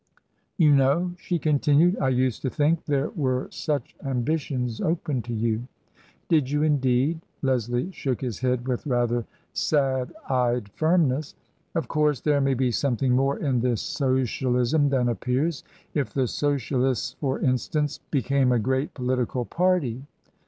" You know," she continued, " I used to think there were such ambitions open to you." "Did you, indeed?" Leslie shook his head with rather sad eyed firmness.* "Of course there may be something more in this Socialism than appears. If the Socialists, for instance, became a great political party